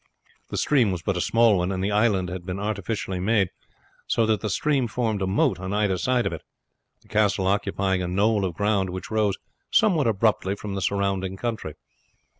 The stream was but a small one, and the island had been artificially made, so that the stream formed a moat on either side of it, the castle occupying a knoll of ground which rose somewhat abruptly from the surrounding country.